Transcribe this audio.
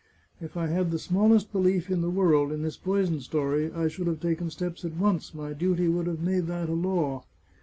If I had the smallest belief in the world in this poison story, I should have taken steps at once ; my duty would have made that a law.